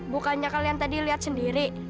bukannya kalian tadi lihat sendiri